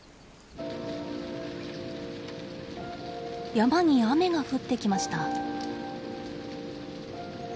山に雨が降ってきました。